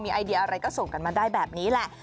ไอเดียอะไรก็ส่งกันมาได้แบบนี้แหละ